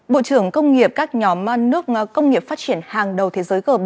bộ trưởng công nghiệp các nhóm nước công nghiệp phát triển hàng đầu thế giới g bảy